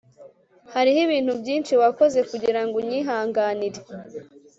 Hariho ibintu byinshi wakoze kugirango unyihanganire